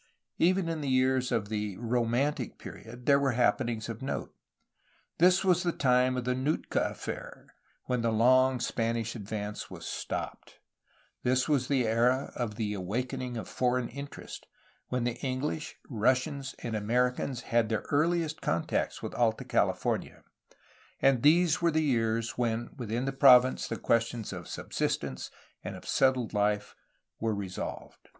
Even in the years of the '* romantic period " there were happenings of note. This was the time of the Nootka affair, when the long Spanish advance was stopped; this was the era of the awakening of foreign interest, when the English, Russians, and Americans had their earliest contacts with Alta California; and these were years when within the province the questions of subsistence and of set tled life were resolved.